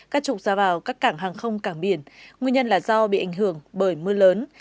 các trục ra vào các cảng hàng không cảng biển nguyên nhân là do bị ảnh hưởng bởi mưa lớn